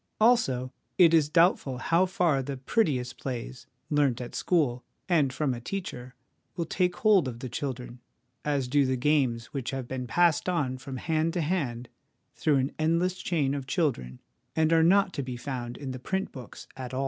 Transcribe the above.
Also, it is doubtful how far the prettiest plays, learnt at school and from a teacher, will take hold of the children as do the games which have been passed on from hand to hand through an endless chain of children, and are not to be found in the print books at all.